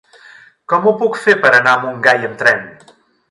Com ho puc fer per anar a Montgai amb tren?